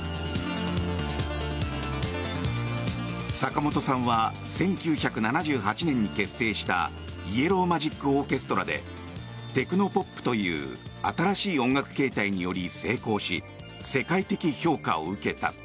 坂本さんは１９７８年に結成したイエロー・マジック・オーケストラでテクノポップという新しい音楽形態により成功し世界的評価を受けた。